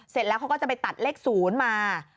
เสร็จแล้วเขาก็จะไปตัดเลข๐มา